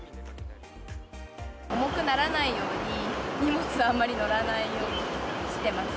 重くならないように、荷物あんまり載らないようにしてます。